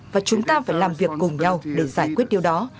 và chúng ta phải làm việc cùng nhau để giải quyết điều đó